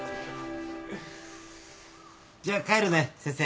じゃあ帰るね先生。